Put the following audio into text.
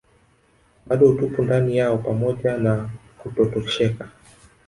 bado utupu ndani yao pamoja na kutotosheka